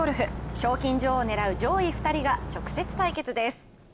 賞金女王を狙う上位２人が直接対決です。